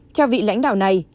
theo vị lãnh đạo này